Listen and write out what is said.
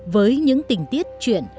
với những tình tiết chuyện